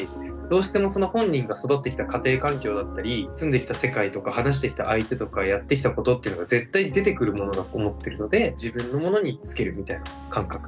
どうしてもその本人が育ってきた家庭環境だったり住んできた世界とか話してきた相手とかやってきたことっていうのが絶対出てくるものだと思っているのでなるほどなるほど。